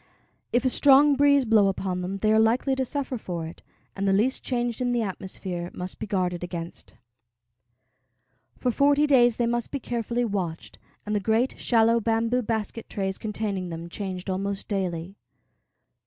If a strong breeze blow upon them, they are likely to suffer for it, and the least change in the atmosphere must be guarded against. For forty days they must be carefully watched, and the great, shallow, bamboo basket trays containing them changed almost daily.